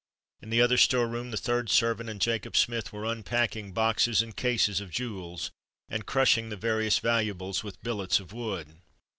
In the other store room, the third servant and Jacob Smith were unpacking boxes and cases of jewels, and crushing the various valuables with billets of wood.